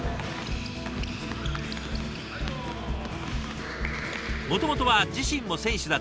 もともとは自身も選手だったラマスさん。